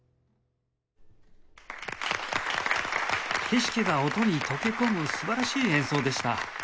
景色が音に溶け込む素晴らしい演奏でした